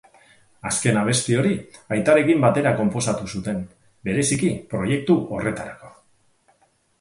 Azken abesti hori aitarekin batera konposatu zuten, bereziki proiektu horretarako.